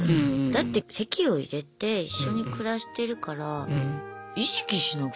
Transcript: だって籍を入れて一緒に暮らしてるから意識しなくていいような気がする。